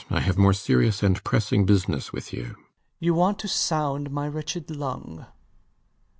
I have more serious and pressing business with you. LOUIS. You want to sound my wretched lung.